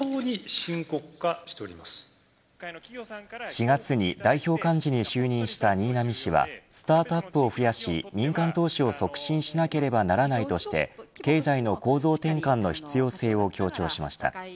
４月に代表幹事に就任した新浪氏はスタートアップを増やし民間投資を促進しなければならないとして経済の構造転換の必要性を強調しました。